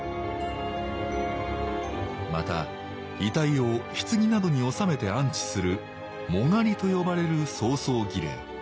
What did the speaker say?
また遺体を棺などに納めて安置する「殯」と呼ばれる葬送儀礼。